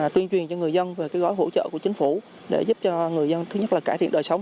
tuyên truyền cho người dân về cái gói hỗ trợ của chính phủ để giúp cho người dân thứ nhất là cải thiện đời sống